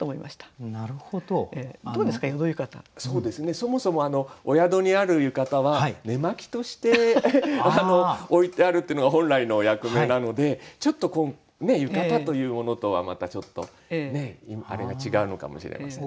そもそもお宿にある浴衣は寝巻きとして置いてあるというのが本来の役目なのでちょっと浴衣というものとはまたちょっとあれが違うのかもしれませんね。